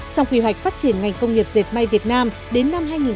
trong quy hoạch phát triển ngành công nghiệp diệt may việt nam đến năm hai nghìn hai mươi